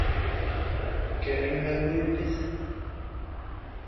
He would also direct several documentaries for television.